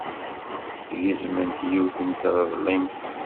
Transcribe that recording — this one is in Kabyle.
Gezment yiwet n treḍlimt.